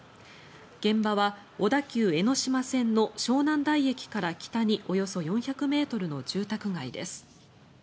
現場は小田急江ノ島線の湘南台駅から北におよそ４００ｍの住宅街です。